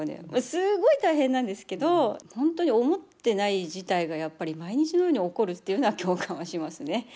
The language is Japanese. すごい大変なんですけど本当に思ってない事態がやっぱり毎日のように起こるっていうのは共感はしますね。